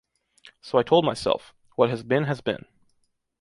So I told myself: what has been has been.